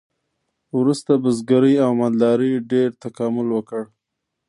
وروسته بزګرۍ او مالدارۍ ډیر تکامل وکړ.